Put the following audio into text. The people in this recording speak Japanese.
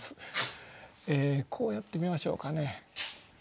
こうやってみましょうかね。